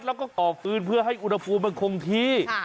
แล้วก็ก่อฟื้นเพื่อให้อุณหภูมิมันคงที่